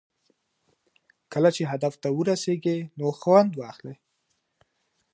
کله چې هدف ته ورسېږئ نو خوند واخلئ.